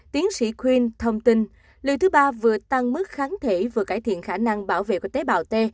tiến sĩ queen thông tin liệu thứ ba vừa tăng mức kháng thể vừa cải thiện khả năng bảo vệ của tế bào t